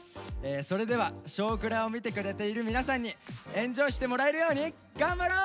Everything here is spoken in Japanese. それでは「少クラ」を見てくれている皆さんにエンジョイしてもらえるように頑張ろう！